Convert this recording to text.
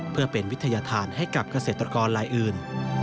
เพื่อเป็นวิทยาธารให้กับเกษตรกรลายอื่น